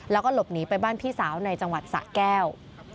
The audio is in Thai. แล้วก็หลบหนีไปบ้านพี่สาวในจังหวัดสะแก้ว